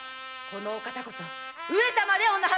このお方こそ上様。